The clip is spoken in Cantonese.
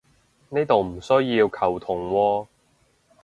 呢度唔需要球僮喎